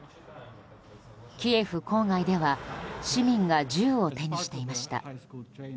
キエフ郊外では市民が銃を手にしていました。